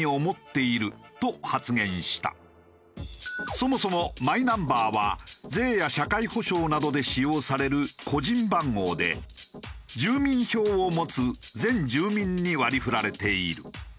そもそもマイナンバーは税や社会保障などで使用される個人番号で住民票を持つ全住民に割り振られている。